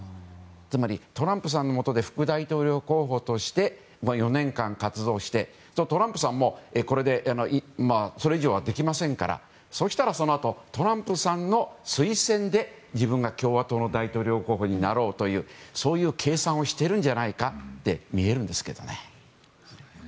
トランプさんのもとで副大統領候補として４年間活動して、トランプさんもそれ以上はできませんからそしたら、そのあとトランプさんの推薦で自分が共和党の大統領候補になろうというそういう計算をしてるんじゃないかと見えるんですけどね。